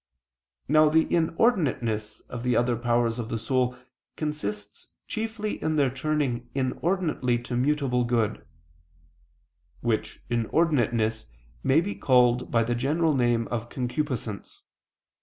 Now the inordinateness of the other powers of the soul consists chiefly in their turning inordinately to mutable good; which inordinateness may be called by the general name of concupiscence.